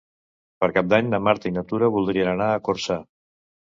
Per Cap d'Any na Marta i na Tura voldrien anar a Corçà.